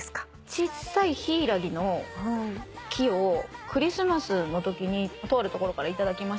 ちっさいヒイラギの木をクリスマスのときにとあるところから頂きまして。